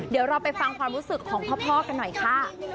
เดี๋ยวเราไปฟังความรู้สึกของพ่อกันหน่อยค่ะ